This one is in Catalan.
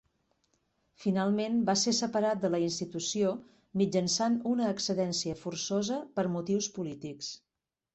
Finalment va ser separat de la institució mitjançant una excedència forçosa per motius polítics.